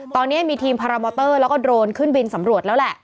ตอนนี้มีทีมพารามอเตอร์แล้วก็โดรนขึ้นบินสำรวจแล้วแหละ